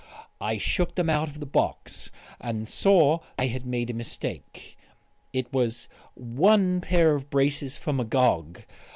I shook them out of the box and saw I had made a mistake. It was one pair of braces for Magog.